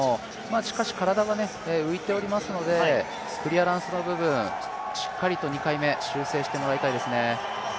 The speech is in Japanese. しかし体がね、浮いておりますのでクリアランスの部分、しっかりと２回目修正してもらいたいですね。